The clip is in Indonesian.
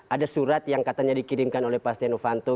ada surat yang katanya dikirimkan oleh pas tia novanto